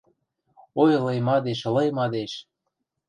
Ой, лый мадеш, лый мадеш